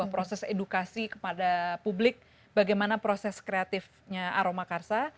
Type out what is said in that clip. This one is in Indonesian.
proses edukasi kepada publik bagaimana proses kreatifnya aroma karsa